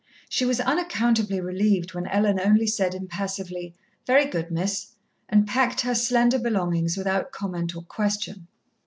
She was unaccountably relieved when Ellen only said, impassively, "Very good, Miss," and packed her slender belongings without comment or question.